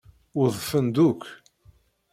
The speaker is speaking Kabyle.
Udfen-d akk.